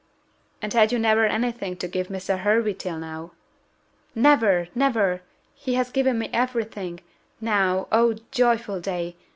"And had you never any thing to give to Mr. Hervey till now?" "Never! never! he has given me every thing. Now oh, joyful day!